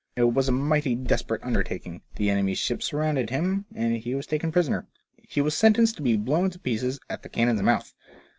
It was a mighty des perate undertaking ; the enemy's ships surrounded him, and he was taken prisoner. He was sentenced to be blown to pieces at the cannon's mouth.